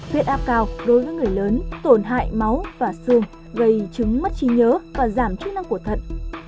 huyết áp cao đối với người lớn tổn hại máu và xương gây chứng mất trí nhớ và giảm chức năng của thận